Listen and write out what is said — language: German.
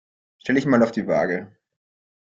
Stell dich mal auf die Waage.